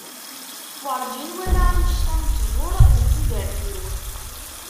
Werǧin walaɣ annect-a n ttjur deg tudert-iw.